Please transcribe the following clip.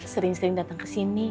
sering sering dateng kesini